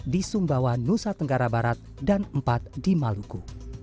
di sumbawa nusa tenggara barat dan empat di maluku